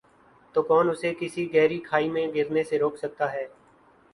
تو کون اسے کسی گہری کھائی میں گرنے سے روک سکتا ہے ۔